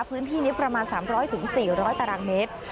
พื้นที่นี้ประมาณ๓๐๐๔๐๐ตารางเมตร